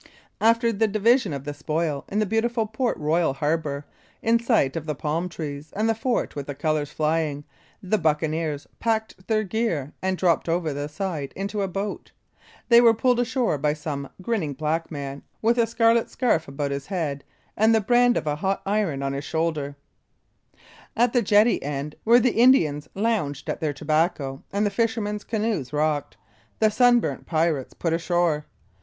After the division of the spoil in the beautiful Port Royal harbor, in sight of the palm trees and the fort with the colors flying, the buccaneers packed their gear, and dropped over the side into a boat. They were pulled ashore by some grinning black man with a scarlet scarf about his head and the brand of a hot iron on his shoulders. At the jetty end, where the Indians lounged at their tobacco and the fishermen's canoas rocked, the sunburnt pirates put ashore.